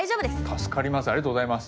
助かります